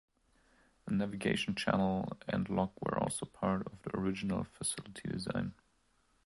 A navigation channel and lock were also part of the original facility design.